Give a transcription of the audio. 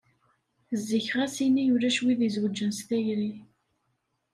Zik ɣas ini ulac wid izewwǧen s tayri.